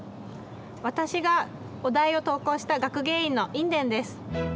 私がお題を投稿した学芸員の印田です。